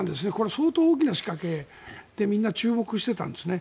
相当、大きな仕掛けでみんな注目していたんですね。